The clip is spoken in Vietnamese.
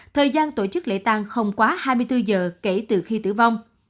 thời gian tổ chức lễ tang không quá hai mươi bốn giờ kể từ khi tử vong